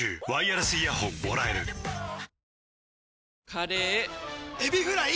カレーエビフライ！